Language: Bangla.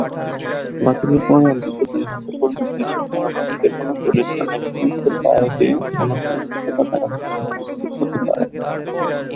বাতিলের পর অন্তত দুই বছর পর্যন্ত এসব ধারাবাহিকের কোন চরিত্র নেটফ্লিক্সের বাইরের কোন চলচ্চিত্র বা ধারাবাহিকে উপস্থিত হতে পারেনি।